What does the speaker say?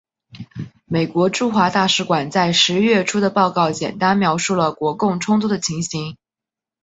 美国驻华大使馆在十一月初的报告简单描述了国共冲突的情形。